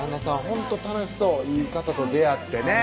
ほんと楽しそういい方と出会ってね